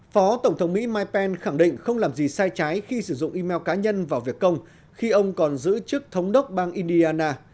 phó tổng thống mỹ mike pen khẳng định không làm gì sai trái khi sử dụng email cá nhân vào việc công khi ông còn giữ chức thống đốc bang indiana